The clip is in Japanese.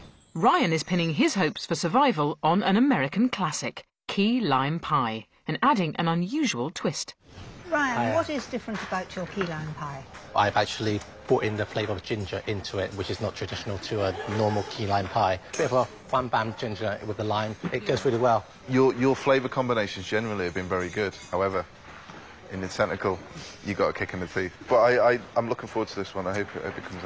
はい。